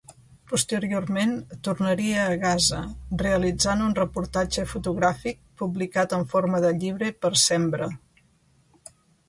Posteriorment tornaria a Gaza, realitzant un reportatge fotogràfic publicat en forma de llibre per Sembra.